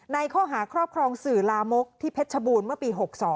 ในข้อหาครอบครองสื่อลามกที่เพชรชบูรณ์เมื่อปี๖๒